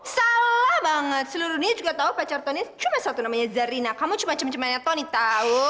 salah banget seluruh nih juga tau pacar tony cuma satu namanya zarina kamu cuma cuman cumannya tony tau